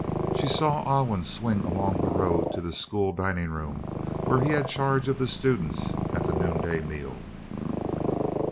She saw Alwyn swing along the road to the school dining room where he had charge of the students at the noonday meal.